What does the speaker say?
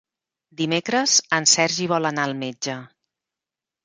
Dimecres en Sergi vol anar al metge.